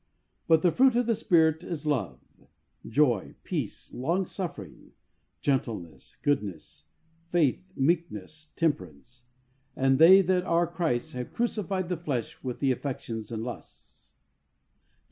But the fruit of the Spirit is love, joy, peace, long suffering, gentleness, goodness, faith, meekness, temperance ; and they that are Christ's have crucified the flesh with the affections and lusts " (Gal.